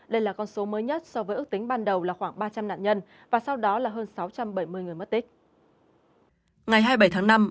đây là con số mới nhất so với ước tính ban đầu là khoảng ba trăm linh nạn nhân và sau đó là hơn sáu trăm bảy mươi người mất tích